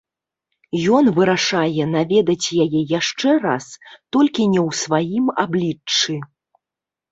Ён вырашае наведаць яе яшчэ раз, толькі не ў сваім абліччы.